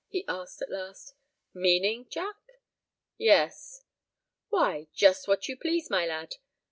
he asked, at last. "Meaning, Jack?" "Yes." "Why, just what you please, my lad.